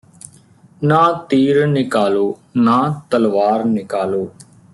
ਨਾ ਤੀਰ ਨਿਕਾਲੋ ਨਾ ਤਲਵਾਰ ਨਿਕਾਲੋ